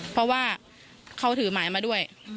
เพราะว่าเขาถือหมายมาด้วย